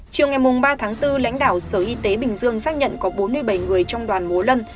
chiều ngày ba tháng bốn lãnh đạo sở y tế bình dương xác nhận có bốn mươi bảy người trong đoàn múa lân